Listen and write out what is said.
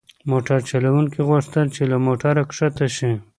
موټر چلونکي غوښتل چې له موټره کښته شي.